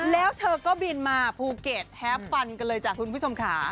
แล้วเธอก็บินมาภูเก็ตแท้ฟันกันเลยจ้ะคุณผู้ชมค่ะ